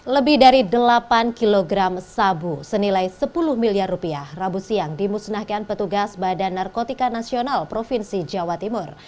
lebih dari delapan kg sabu senilai sepuluh miliar rupiah rabu siang dimusnahkan petugas badan narkotika nasional provinsi jawa timur